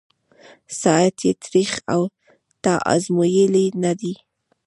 ساعت یې تریخ » تا آزمېیلی نه دی